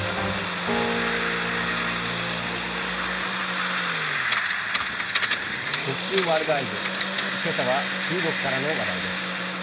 今朝は中国からの話題です。